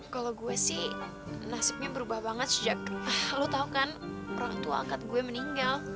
kalau gue sih nasibnya berubah banget sejak lo tau kan orang tua angkat gue meninggal